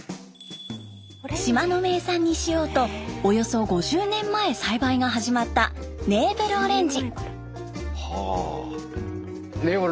島の名産にしようとおよそ５０年前栽培が始まったネーブルオレンジ。